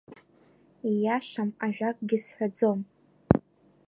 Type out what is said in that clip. Ииашам ажәакгьы сҳәаӡом.